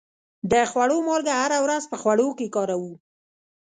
د خوړو مالګه هره ورځ په خوړو کې کاروو.